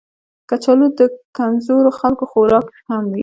کچالو د کمزورو خلکو خوراک هم وي